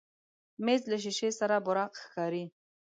مېز له شیشې سره براق ښکاري.